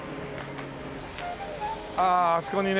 あああそこにね